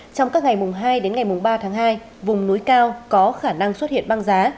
trong các ngày hai đến ngày ba tháng hai vùng núi cao có khả năng xuất hiện băng giá